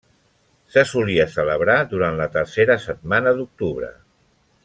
Se solia celebrar durant la tercera setmana d'octubre.